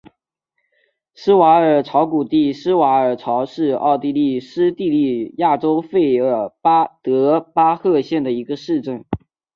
施瓦尔曹谷地施瓦尔曹是奥地利施蒂利亚州费尔德巴赫县的一个市镇。